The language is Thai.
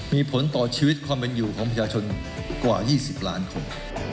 มีผลต่อชีวิตความเป็นอยู่ของประชาชนกว่า๒๐ล้านคน